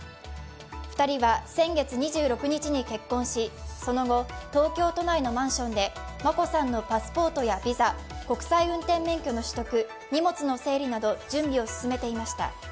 ２人は先月２６日に結婚し、その後、東京都内のマンションで眞子さんのパスポートやビザ、国際運転免許の取得、荷物の整理など準備を進めていました。